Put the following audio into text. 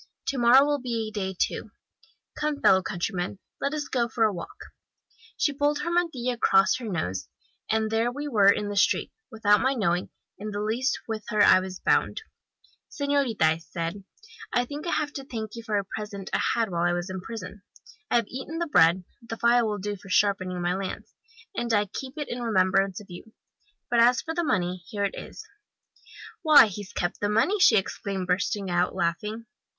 To morrow will be a day, too.* Come, fellow countryman, let us go for a walk!' * Manana sera otro dia. A Spanish proverb. "She pulled her mantilla across her nose, and there we were in the street, without my knowing in the least whither I was bound. "'Senorita,' said I, 'I think I have to thank you for a present I had while I was in prison. I've eaten the bread; the file will do for sharpening my lance, and I keep it in remembrance of you. But as for the money, here it is.' "'Why, he's kept the money!' she exclaimed, bursting out laughing.